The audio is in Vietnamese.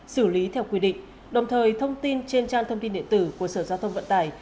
xử lý theo quy định đồng thời thông tin trên trang thông tin điện tử của sở giao thông vận tải